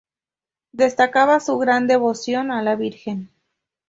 Destacaba su gran devoción a la Virgen.